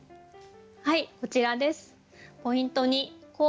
はいこちらです。